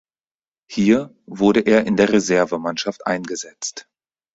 Hier wurde er in der Reservemannschaft eingesetzt.